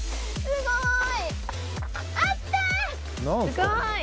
すごーい！